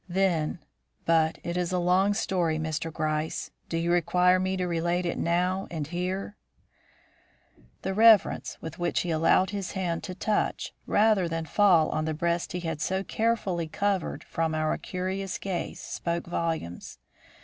Then but it is a long story, Mr. Gryce. Do you require me to relate it now and here?" The reverence with which he allowed his hand to touch rather than fall on the breast he had so carefully covered from our curious gaze spoke volumes.